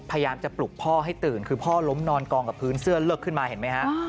พยายามจะปลุกพ่อให้ตื่นคือพ่อล้มนอนกองกับพื้นเสื้อเลือกขึ้นมาเห็นไหมฮะ